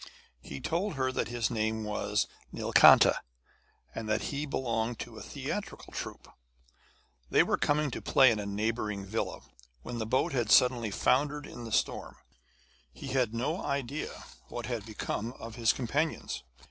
He told her that his name was Nilkanta, and that he belonged to a theatrical troupe. They were coming to play in a neighbouring villa when the boat had suddenly foundered in the storm. He had no idea what had become of his companions.